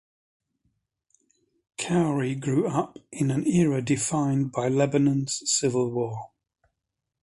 Khoury grew up in an era defined by Lebanon’s civil war.